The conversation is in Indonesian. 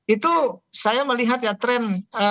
itu saya melihat ya tren